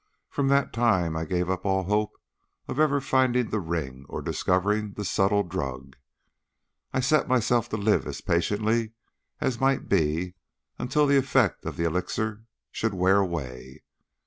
"From that time I gave up all hope of ever finding the ring or discovering the subtle drug. I set myself to live as patiently as might be until the effect of the elixir should wear away.